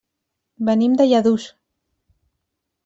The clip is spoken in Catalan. Venim de Lladurs.